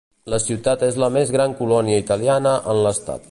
La ciutat és la més gran colònia italiana en l'estat.